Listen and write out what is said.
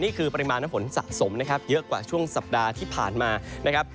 ปริมาณน้ำฝนสะสมนะครับเยอะกว่าช่วงสัปดาห์ที่ผ่านมานะครับ